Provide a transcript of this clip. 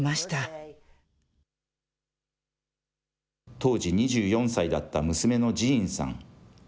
当時２４歳だった娘のジーンさん。